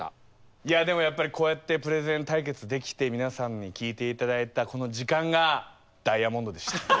いやでもやっぱりこうやってプレゼン対決できて皆さんに聞いて頂いたこの時間がダイヤモンドでした。